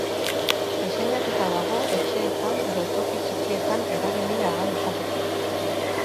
Diseinatuta dago etxeetan edo toki txikietan erabili ahal izateko.